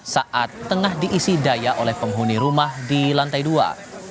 saat tengah diisi daya oleh penghuni rumah di lantai dua